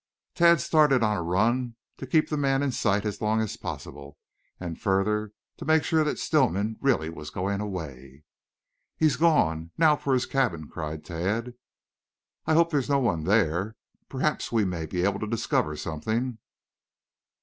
Tad started on a run, to keep the man in sight as long as possible, and further to make sure that Stillman really was going away. "He's gone. Now for his cabin!" cried Tad. "I do hope there's no one there. Perhaps we may be able to discover something."